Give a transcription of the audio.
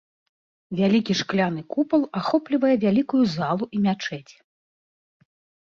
Вялікі шкляны купал ахоплівае вялікую залу і мячэць.